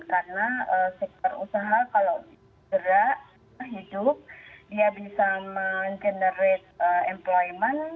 karena sektor usaha kalau bergerak hidup dia bisa mengenerate employment